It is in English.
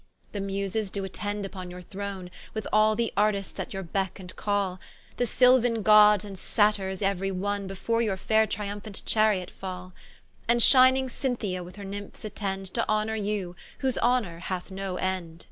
The Muses doe attend vpon your Throne, With all the Artists at your becke and call; The Syluane Gods, and Satyres euery one, Before your faire triumphant Chariot fall: And shining Cynthia with her nymphs attend To honour you, whose Honour hath no end.